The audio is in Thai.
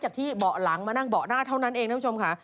จากที่เบาะหลังมานั่งเบาะหน้าเท่านั้นเองท่านผู้ชมค่ะ